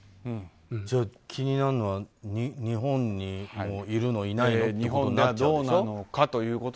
気になるのは日本にもいるのいないのという。